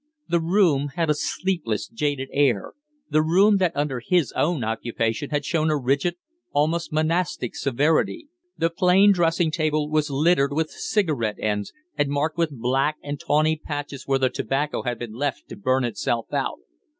The room had a sleepless, jaded air the room that under his own occupation had shown a rigid, almost monastic severity. The plain dressing table was littered with cigarette ends and marked with black and tawny patches where the tobacco had been left to burn itself out.